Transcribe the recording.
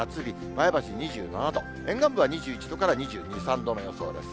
前橋２７度、沿岸部は２１度から２２、３度の予想です。